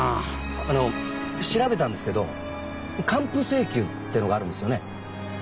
あの調べたんですけど還付請求ってのがあるんですよね？